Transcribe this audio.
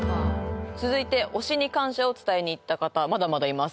続いて推しに感謝を伝えに行った方まだまだいます！